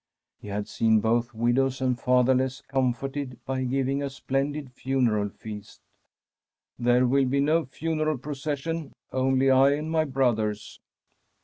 He had seen both wid ows and fatherless comforted by giving a splendid funeral feast. ' There will be no funeral procession, only I and my brothers.'